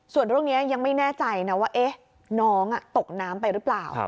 ส่วนเรื่องนี้ยังไม่แน่ใจนะว่าน้องตกน้ำไปหรือเปล่า